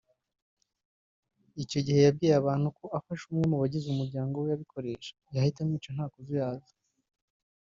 icyo gihe yabwiye abantu ko afashe umwe mu bagize umuryango we abikoresha yahita amwica nta kuzuyaza